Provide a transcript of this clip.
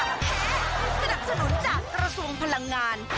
แพ้สนับสนุนจากกระทรวงพลังงาน